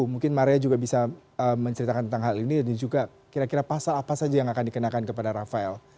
mungkin maria juga bisa menceritakan tentang hal ini dan juga kira kira pasal apa saja yang akan dikenakan kepada rafael